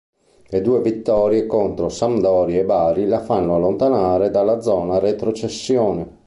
Le due vittorie contro Sampdoria e Bari la fanno allontanare dalla zona retrocessione.